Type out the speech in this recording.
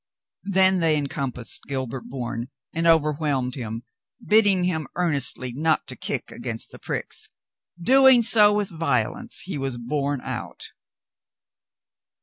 Then they encompassed Gilbert Bourne and over whelmed him, bidding him earnestly not to kick against the pricks. Doing so with violence, he was borne out.